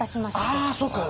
ああそっか。